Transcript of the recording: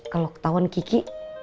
kalo ketauan kiki